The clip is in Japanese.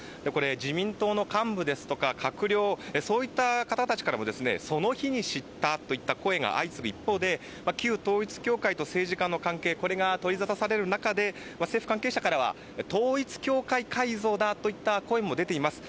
自民党の幹部ですとか閣僚、そういった方たちからもその日に知ったといった声が相次ぐ一方で旧統一教会と政治家の関係が取りざたされる中で政府関係者からは統一教会改造だといった声も出ています。